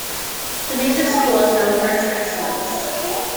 The music school is known for its excellence.